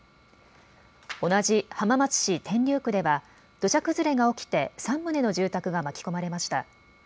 同じ浜松市天竜区では土砂崩れが起きて３棟の住宅が巻き込まれました。